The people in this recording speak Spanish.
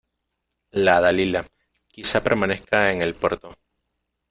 " la Dalila " quizá permanezca en el puerto: